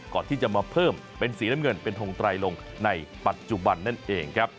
ก่อนที่จะมาเพิ่มเป็นสีน้ำเงินเป็นทงไตรลงในปัจจุบันนั่นเองครับ